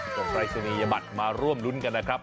ต่อไปสักนี้อย่าบัดมาร่วมรุ้นกันนะครับ